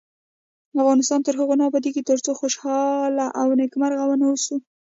افغانستان تر هغو نه ابادیږي، ترڅو خوشحاله او نیکمرغه ونه اوسو.